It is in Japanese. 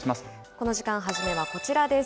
この時間、初めはこちらです。